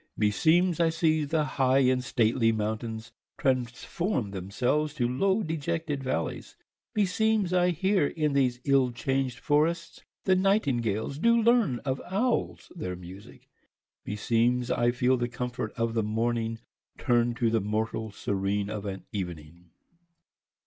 Me seemes I see the high and stately mountaines , Trans for me themselves to lowe de jetted v allies : Me seemes I heare in these ill changed forrests , The Nightingales doo learne of Owles their musique : Me seemes I feele the comfort of the morning Turnde to the mortall serene of an evening.